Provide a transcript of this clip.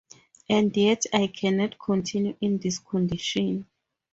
And yet I cannot continue in this condition!